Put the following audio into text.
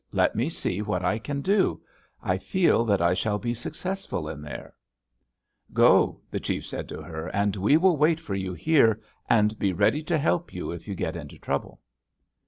Let me see what I can do. I feel that I shall be successful in there.' "'Go!' the chief told her, 'and we will wait for you here, and be ready to help you if you get into trouble.'